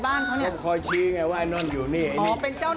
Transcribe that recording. เปิดแก๊สไงวะนี่เอา